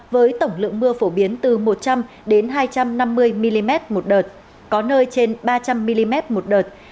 với tổng lượng mưa phổ biến từ một trăm linh hai trăm năm mươi mm một đợt có nơi trên ba trăm linh mm một đợt